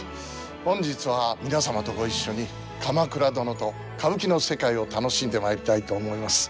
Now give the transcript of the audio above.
本日は皆様とご一緒に「鎌倉殿」と歌舞伎の世界を楽しんでまいりたいと思います。